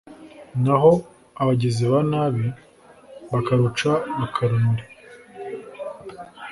naho abagizi ba nabi bakaruca bakarumira